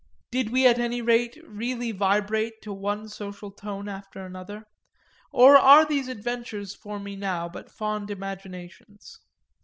Did we at any rate really vibrate to one social tone after another, or are these adventures for me now but fond imaginations?